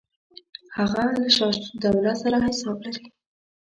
هغه له شجاع الدوله سره حساب لري.